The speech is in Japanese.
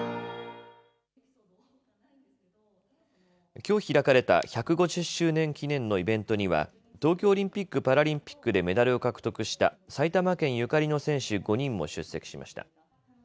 きょう開かれた１５０周年記念のイベントには東京オリンピック・パラリンピックでメダルを獲得した埼玉県ゆかりの選手５人も出席しました。